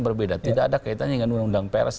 berbeda tidak ada kaitannya dengan undang undang pers